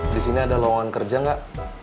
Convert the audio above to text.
di sini ada lowongan kerja nggak